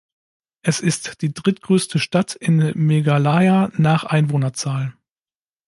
Es ist die drittgrößte Stadt in Meghalaya nach Einwohnerzahl.